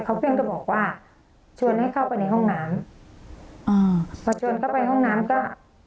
เขาเพื่อนก็บอกว่าชวนให้เข้าไปในห้องน้ำอ่าพอชวนเข้าไปห้องน้ำก็